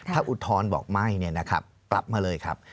ถ้าอุทธรณ์บอกไม่เนี่ยนะครับกลับมาเลยครับ